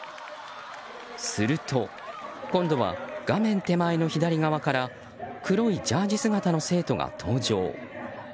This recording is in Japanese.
すると、今度は画面手前の左側から黒いジャージー姿の生徒が登場。